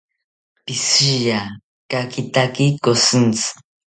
Pishiya kakitaki koshintzi